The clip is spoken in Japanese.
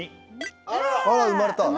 あら生まれた。